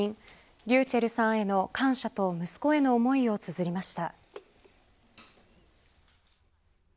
ｒｙｕｃｈｅｌｌさんへの感謝と息子への思いをつづりました。